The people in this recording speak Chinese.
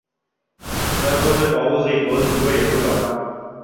还有说是保护自己脖子不被野兽咬伤。